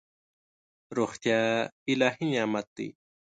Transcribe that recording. روغتیا الهي نعمت دی.